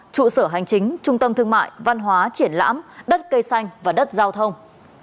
trung tâm thương mại văn hóa triển lãm đất cây xanh và đất giao thông